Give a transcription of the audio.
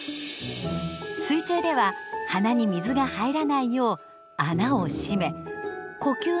水中では鼻に水が入らないよう穴を閉め呼吸の時だけ開けるのです。